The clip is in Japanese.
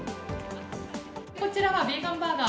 こちらはビーガンバーガー。